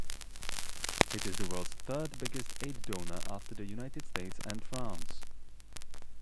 It is the world's third biggest aid donor after the United States and France.